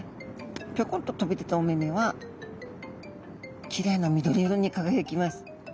ぴょこんと飛び出たお目目はきれいな緑色に輝きます。